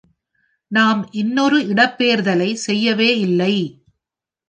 நாம் இன்னொரு இடம்பெயர்தலை செய்யவே இல்லை.